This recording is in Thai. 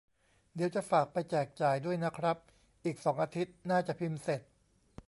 เดี๋ยวจะฝากไปแจกจ่ายด้วยนะครับ : อีกสองอาทิตย์น่าจะพิมพ์เสร็จ